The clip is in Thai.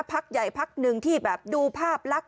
พักใหญ่พักหนึ่งที่แบบดูภาพลักษ